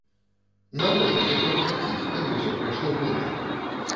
Навошта цяпер часціць, калі ўсё прайшло годна?